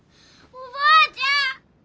おばあちゃん！